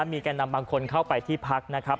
มีแก่นำบางคนเข้าไปที่พักนะครับ